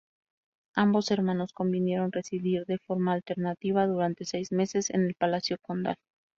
Ambos hermanos convinieron residir de forma alternativa durante seis meses en el palacio condal.